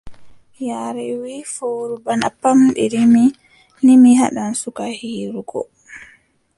Yaare wii, fowru bana pamɗiri mi, nii, mi haɗan suka hiirugo.